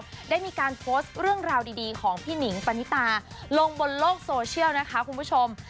ได้มีการโพสต์เรื่องราวดีของพี่หนิงปณิตาลงบนโลกโซเชียลนะคะคุณผู้ชม